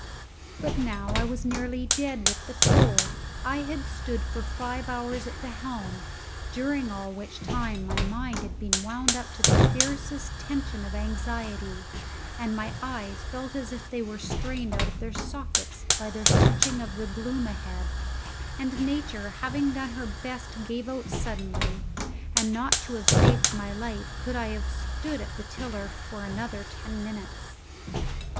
But now I was nearly dead with the cold. I had stood for five hours at the helm, during all which time my mind had been wound up to the fiercest tension of anxiety, and my eyes felt as if they were strained out of their sockets by their searching of the gloom ahead, and nature having done her best gave out suddenly, and not to have saved my life could I have stood at the tiller for another ten minutes.